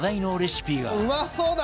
「うまそうだ！」